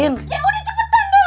ya udah cepetan dong